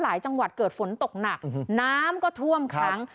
จังหวัดเกิดฝนตกหนักน้ำก็ท่วมขัง